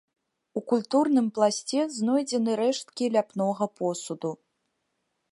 У культурным пласце знойдзены рэшткі ляпнога посуду.